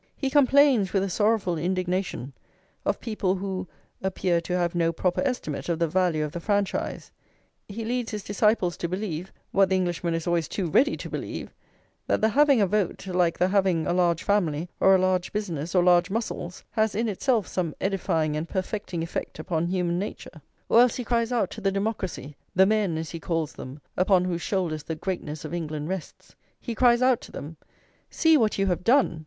He complains with a sorrowful indignation of people who "appear to have no proper estimate of the value of the franchise;" he leads his disciples to believe, what the Englishman is always too ready to believe, that the having a vote, like the having a large family, or a large business, or large muscles, has in itself some edifying and perfecting effect upon human nature. Or else he cries out to the democracy, "the men," as he calls them, "upon whose shoulders the greatness of England rests," he cries out to them: "See what you have done!